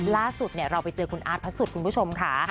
ล่าสุดเราไปเจอคุณอาร์ตพระสุทธิ์คุณผู้ชมค่ะ